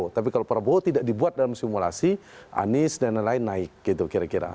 tapi kalau prabowo tidak dibuat dalam simulasi anies dan lain lain naik gitu kira kira